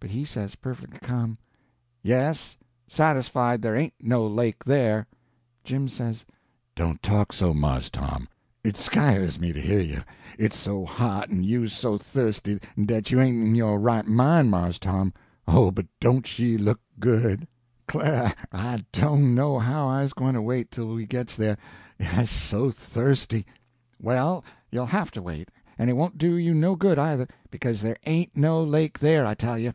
But he says, perfectly ca'm: "Yes, satisfied there ain't no lake there." Jim says: "Don't! talk so, Mars Tom—it sk'yers me to hear you. It's so hot, en you's so thirsty, dat you ain't in yo' right mine, Mars Tom. Oh, but don't she look good! 'clah I doan' know how I's gwine to wait tell we gits dah, I's so thirsty." "Well, you'll have to wait; and it won't do you no good, either, because there ain't no lake there, I tell you."